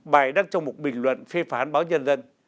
bài đăng trong một bình luận phê phán báo nhân dân